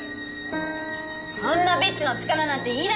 あんなビッチの力なんていらないわよ！